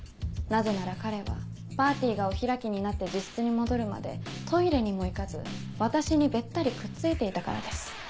なぜなら彼はパーティーがお開きになって自室に戻るまでトイレにも行かず私にべったりくっついていたからです。